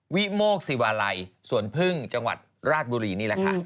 วิโมกศิวาลัยสวนพึ่งจังหวัดราชบุรีนี่แหละค่ะ